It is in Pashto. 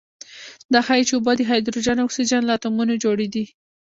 دا ښيي چې اوبه د هایدروجن او اکسیجن له اتومونو جوړې دي.